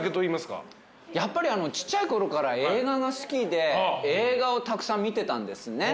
やっぱりちっちゃいころから映画が好きで映画をたくさん見てたんですね。